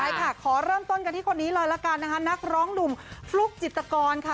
ใช่ค่ะขอเริ่มต้นกันที่คนนี้เลยละกันนะคะนักร้องหนุ่มฟลุ๊กจิตกรค่ะ